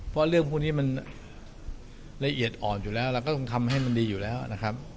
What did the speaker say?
เพราะเรื่องพวกนี้มันละเอียดอ่อนอยู่แล้วเราก็ต้องทำให้มันดีอยู่แล้วนะครับ